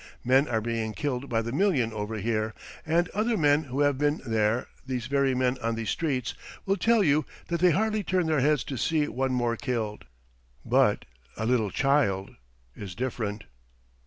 Men are being killed by the million over here, and other men who have been there these very men on these streets will tell you that they hardly turn their heads to see one more killed. But a little child is different.